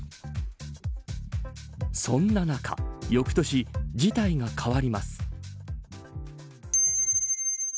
そんな中、翌年事態が変わります。